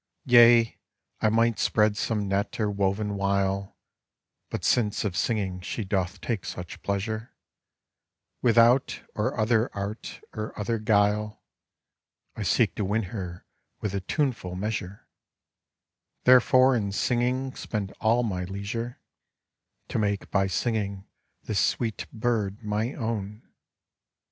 Yea, I might spread some net or woven wile; But since of singing she doth take such pleasure, Without or other art or other guile I seek to win her with a tuneful measure; Therefore in singing spend all my leisure, To make by singing this sweet bird my own.